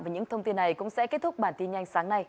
và những thông tin này cũng sẽ kết thúc bản tin nhanh sáng nay